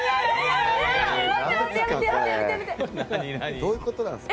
どういうことなんすか？